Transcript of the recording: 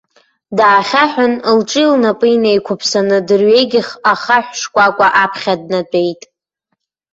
Даахьаҳәын, лҿи лнапи неиқәыԥсаны дырҩегьых ахаҳә шкәакәа аԥхьа днатәеит.